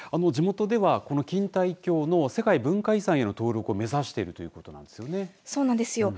地元では錦帯橋の世界文化遺産への登録を目指しているということなんですよね。